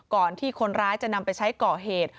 ก่อนที่คนร้ายจะนำไปใช้ก่อเหตุ